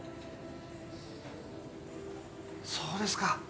そうですか。